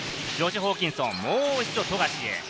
ホーキンソン、もう一度富樫へ。